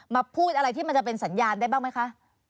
พูดอะไรที่มันจะเป็นสัญญาณได้บ้างไหมคะ